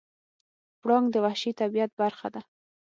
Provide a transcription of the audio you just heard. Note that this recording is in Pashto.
پړانګ د وحشي طبیعت برخه ده.